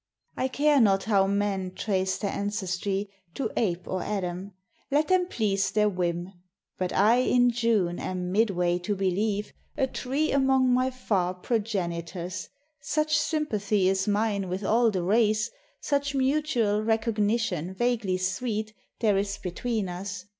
I care not how men trace their ancestry, To ape or Adam ; let them please their whim ; But I in June am midway to believe A tree among my far progenitors, Such sympathy is mine .with all the race, Such mutual recognition vaguely sweet There is between us.